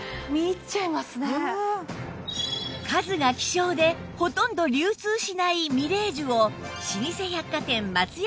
数が希少でほとんど流通しないみれい珠を老舗百貨店松屋